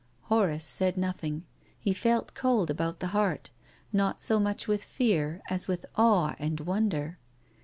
Horace said nothing. He felt cold about the heart, not so much with fear as with awe and wonder.